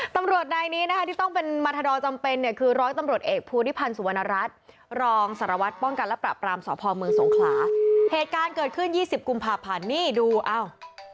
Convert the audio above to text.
ที่๒๐กุมภาพผ่านนี่ดูเอ้า